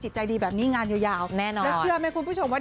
ใจดีแบบนี้งานยาวแน่นอนแล้วเชื่อไหมคุณผู้ชมว่า